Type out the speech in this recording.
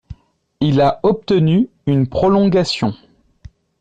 Il a obtenu une prolongation.